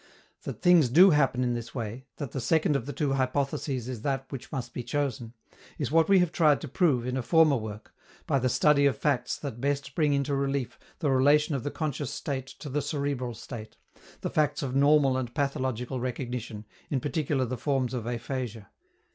That things do happen in this way, that the second of the two hypotheses is that which must be chosen, is what we have tried to prove, in a former work, by the study of facts that best bring into relief the relation of the conscious state to the cerebral state, the facts of normal and pathological recognition, in particular the forms of aphasia.